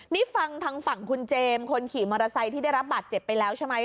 นี่ฟังทางฝั่งคุณเจมส์คนขี่มอเตอร์ไซค์ที่ได้รับบาดเจ็บไปแล้วใช่ไหม